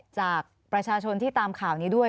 จากประชาชนที่ตามข่าวนี้ด้วย